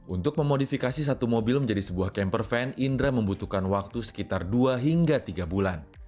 untuk memodifikasi satu mobil menjadi sebuah camper van indra membutuhkan waktu sekitar dua hingga tiga bulan